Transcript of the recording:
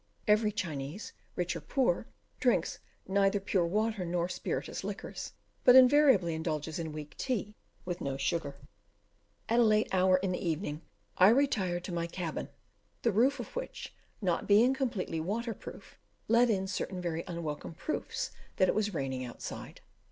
Every Chinese, rich or poor, drinks neither pure water nor spirituous liquors, but invariably indulges in weak tea with no sugar. At a late hour in the evening I retired to my cabin, the roof of which, not being completely waterproof, let in certain very unwelcome proofs that it was raining outside.